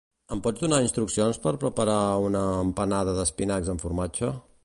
Em pots donar instruccions per preparar una empanada d'espinacs amb formatge?